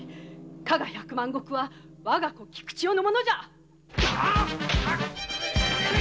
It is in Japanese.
加賀百万石はわが子・菊千代のもの！